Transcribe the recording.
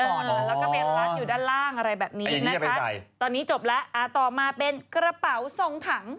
แล้วก็ไปรัดอยู่ด้านล่างอะไรแบบนี้นะคะตอนนี้จบแล้วอ่าต่อมาเป็นกระเป๋าทรงถัง